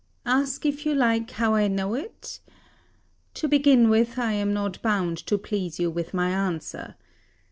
Ask if you like how I know it? To begin with, I am not bound to please you with my answer.